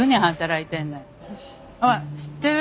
あっ知ってる？